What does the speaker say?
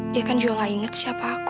dia kan juga gak inget siapa aku